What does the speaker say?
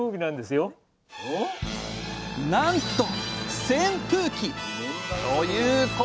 なんと扇風機